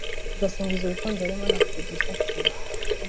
igasingiza urukundo yari arimo na Producer Clement